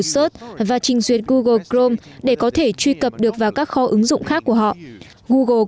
search và trình duyệt google crome để có thể truy cập được vào các kho ứng dụng khác của họ google